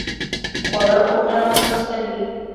خواړه اوبلن او پستوي.